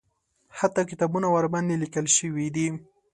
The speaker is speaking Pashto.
حتی کتابونه ورباندې لیکل شوي دي.